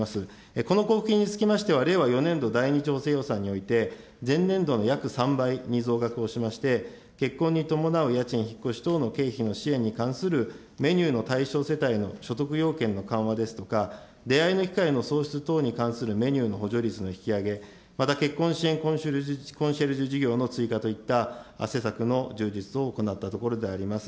この交付金につきましては、令和４年度第２次補正予算において前年度の約３倍に増額をしまして、結婚に伴う家賃、引っ越し等の経費の支援に関するメニューの対象世帯の所得要件の緩和ですとか、出会いの機会の創出等に関するメニューの補助率の引き上げ、また結婚支援コンシェルジュ事業の追加といった施策の充実を行ったところであります。